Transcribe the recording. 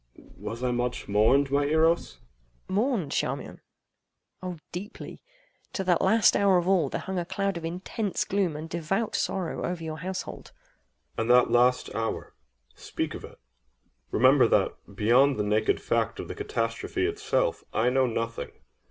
Was I much mourned, my Eiros? EIROS. Mourned, Charmion?—oh deeply. To that last hour of all, there hung a cloud of intense gloom and devout sorrow over your household. CHARMION. And that last hour—speak of it. Remember that, beyond the naked fact of the catastrophe itself, I know nothing.